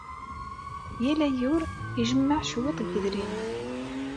Yal ayyur, ijemmeɛ cwiṭ n yedrimen.